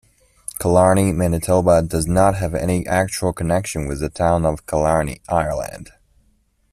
Killarney, Manitoba does not have any actual connection with the town of Killarney, Ireland.